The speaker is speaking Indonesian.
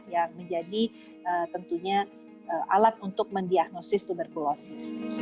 yang menjadi tentunya alat untuk mendiagnosis tuberkulosis